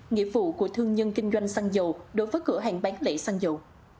nghĩa vụ của thương nhân kinh doanh xăng dầu đối với cửa hàng bán lẻ xăng dầu